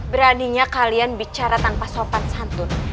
beraninya kalian bicara tanpa sopan santun